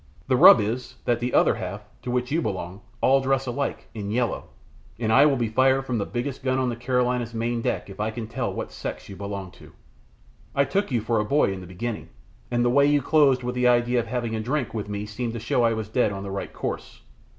The rub is that the other half, to which you belong, all dress alike in YELLOW, and I will be fired from the biggest gun on the Carolina's main deck if I can tell what sex you belong to! I took you for a boy in the beginning, and the way you closed with the idea of having a drink with me seemed to show I was dead on the right course.